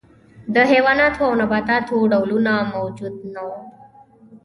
د حیواناتو او نباتاتو ډولونه موجود نه وو.